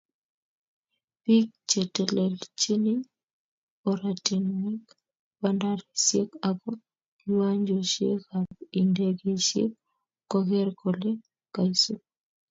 Biik chetelelchini oratinweek, bandarisyek ako kiwanjosyekab indegeisyek koger kole kaisup